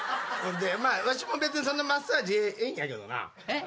わしも別にそんなマッサージええんやけどな。